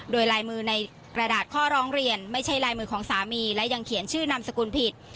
โดยลายมือในกระดาษข้อร้องเรียนไม่ใช่ลายมือของสามีและยังเขียนชื่อนามสกุลผิด